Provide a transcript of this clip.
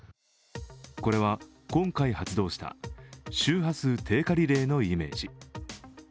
これは今回発動した周波数低下リレーのイメージ。